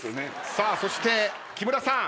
さあそして木村さん。